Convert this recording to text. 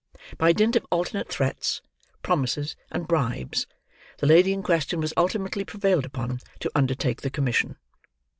By dint of alternate threats, promises, and bribes, the lady in question was ultimately prevailed upon to undertake the commission.